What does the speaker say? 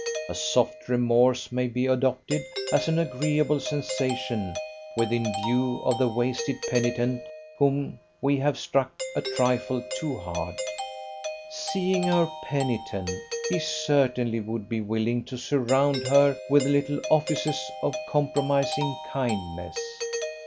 A soft remorse may be adopted as an agreeable sensation within view of the wasted penitent whom we have struck a trifle too hard. Seeing her penitent, he certainly would be willing to surround her with little offices of compromising kindness.